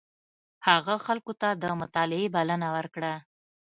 هغه خلکو ته د مطالعې بلنه ورکړه.